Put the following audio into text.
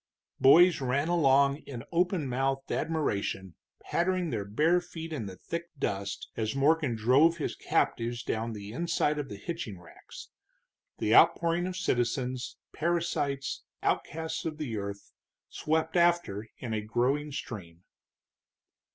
Boys ran along in open mouthed admiration, pattering their bare feet in the thick dust, as Morgan drove his captives down the inside of the hitching racks; the outpouring of citizens, parasites, outcasts of the earth, swept after in a growing stream.